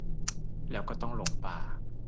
แล้วก็ต้องหลงป่า